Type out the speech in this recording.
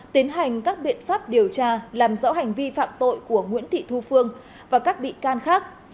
tiến hành các biện pháp điều tra làm rõ hành vi phạm tội của nguyễn thị thu phương và các bị can khác